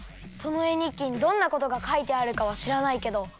そのえにっきにどんなことがかいてあるかはしらないけど